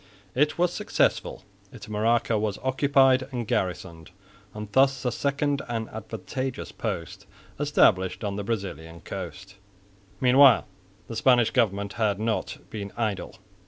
It was successful. Itamaraca was occupied and garrisoned, and thus a second and advantageous post established on the Brazilian coast. Meanwhile the Spanish government had not been idle.